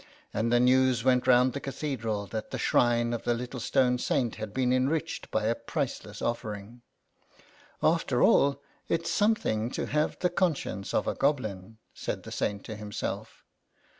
And the news went round the Cathedral that the shrine of the little stone Saint had been enriched by a priceless offering. " After all, it's something to have the con science of a goblin," said the Saint to himself.